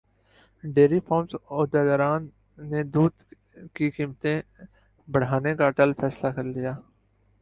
dairy farms عہدیداران نے دودھ کی قیمتیں بڑھانے کا اٹل فیصلہ کرلیا